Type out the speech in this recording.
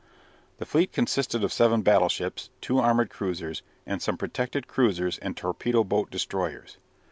The fleet consisted of seven battleships, two armoured cruisers, and some protected cruisers and torpedo boat destroyers.